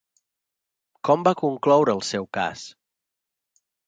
Com va concloure el seu cas?